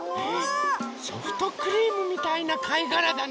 ソフトクリームみたいなかいがらだね。